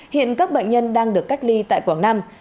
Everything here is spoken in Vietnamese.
hiện các bệnh nhân đang được cách ly tại quảng nam